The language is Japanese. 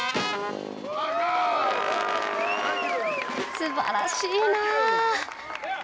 すばらしいなあ！